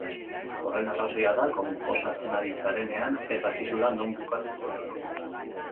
Horren arrazoia da konposatzen ari zarenean ez dakizula non bukatuko duzun.